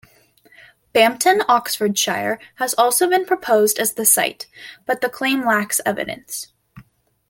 Bampton, Oxfordshire has also been proposed as the site, but the claim lacks evidence.